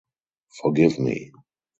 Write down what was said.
Forgive me.